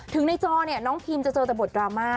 ในจอเนี่ยน้องพิมจะเจอแต่บทดราม่า